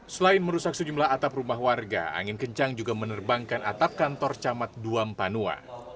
selain merusak sejumlah atap rumah warga angin kencang juga menerbangkan atap kantor camat duampanua